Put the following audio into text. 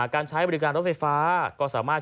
การใช้บริการรถไฟฟ้าก็สามารถ